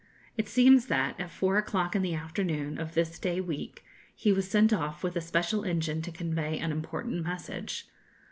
It seems that, at four o'clock in the afternoon of this day week, he was sent off with a special engine to convey an important message.